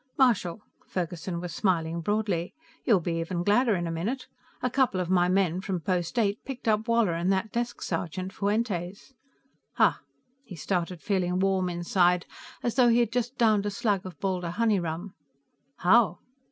"Marshal," Ferguson was smiling broadly. "You'll be even gladder in a minute. A couple of my men, from Post Eight, picked up Woller and that desk sergeant, Fuentes." "Ha!" He started feeling warm inside, as though he had just downed a slug of Baldur honey rum. "How?"